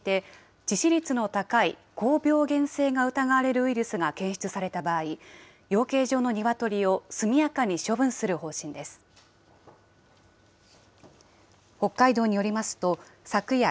道は詳しい検査を進めていて、致死率の高い高病原性が疑われるウイルスが検出された場合、養鶏場のニワトリを速やかに処分する見通しです。